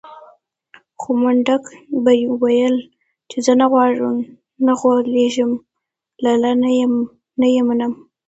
خو منډک به ويل چې زه نه غولېږم لالا نه يې منم.